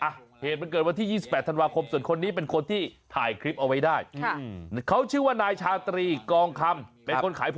เหตุมันเกิดวันที่๒๘ธันวาคมส่วนคนนี้เป็นคนที่ถ่ายคลิปเอาไว้ได้